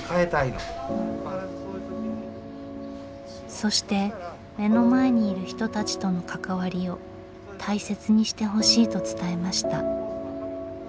そして目の前にいる人たちとの関わりを大切にしてほしいと伝えました。